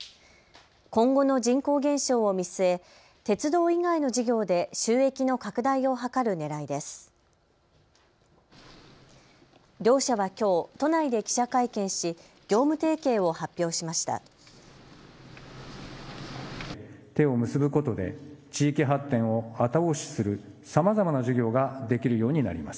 今後の人口減少を見据え鉄道以外の事業で収益の拡大を図るねらいです。